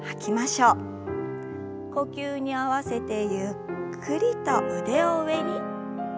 呼吸に合わせてゆっくりと腕を上に。